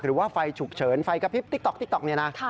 หรือว่าไฟฉุกเฉินไฟกระพริบติ๊กต๊อกนี่นะ